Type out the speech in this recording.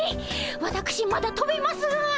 わたくしまだとべますが。